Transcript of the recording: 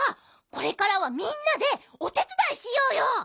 これからはみんなでおてつだいしようよ。